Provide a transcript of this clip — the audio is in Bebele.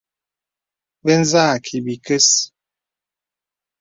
Bə zə àkì bìkəs.